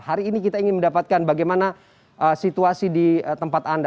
hari ini kita ingin mendapatkan bagaimana situasi di tempat anda